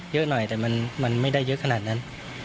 เยอะหน่อยแต่มันไม่ได้เยอะขนาดนั้น